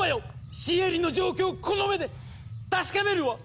シエリの状況をこの目で確かめるわ！